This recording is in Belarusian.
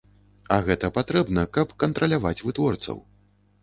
А гэта патрэбна, каб кантраляваць вытворцаў.